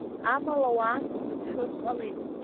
Амала уаанӡа дзыцәшәоз ҟалеит.